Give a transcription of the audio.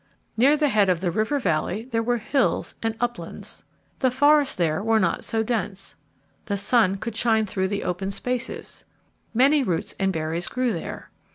Near the head of the river valley there were hills and uplands. The forests there were not so dense. The sun could shine through the open spaces. Many roots and berries grew there.